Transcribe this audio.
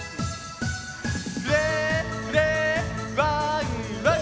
フレフレワンワン！